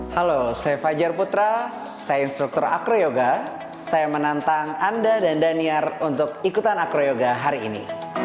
halo saya fajar putra saya instruktur akroyoga saya menantang anda dan daniar untuk ikutan acroyoga hari ini